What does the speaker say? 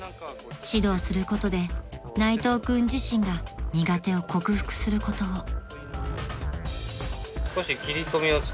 ［指導することで内藤君自身が苦手を克服することを］